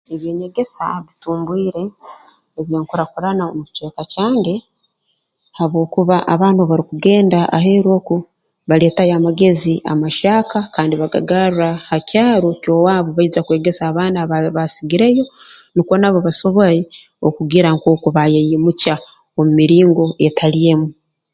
Eby'enyegesa bitumbwire eby'enkurakurana omu kicweka kyange habwokuba abaana obu barukugenda aheeru oku baleetayo amagezi amahyaka kandi bagagarra ha kyaro ky'owaabu baija kwegesa abaana aba baasigireyo nukwo nabo basobole okugira nkooku baayeyimukya omu miringo etali emu